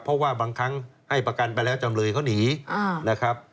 เพราะว่าบางครั้งให้ประกันไปแล้วจำเลยเขาหนีนะครับ